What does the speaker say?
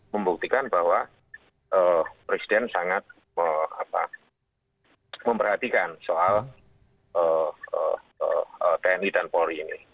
membuktikan bahwa presiden sangat memperhatikan soal tni dan polri ini